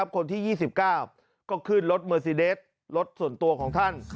คนที่๒๙ก็ขึ้นรถเมอร์ซีเดสรถส่วนตัวของท่าน